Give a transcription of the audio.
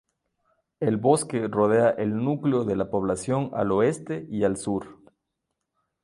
El bosque rodea el núcleo de la población al oeste y al sur.